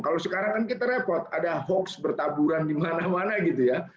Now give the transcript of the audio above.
kalau sekarang kan kita repot ada hoax bertaburan di mana mana gitu ya